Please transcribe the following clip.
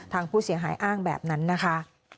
ทางผู้เสียหายอ้างแบบนั้นนะคะ